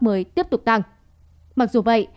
mới tiếp tục tăng mặc dù vậy